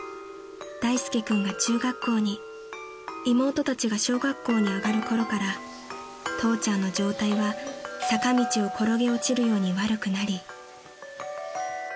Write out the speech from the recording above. ［大介君が中学校に妹たちが小学校に上がるころから父ちゃんの状態は坂道を転げ落ちるように悪くなり］